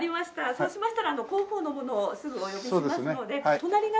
そうしましたら広報の者をすぐお呼びしますので。